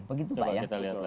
begitu pak ya